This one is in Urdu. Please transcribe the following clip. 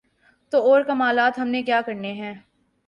تو اور کمالات ہم نے کیا کرنے ہیں۔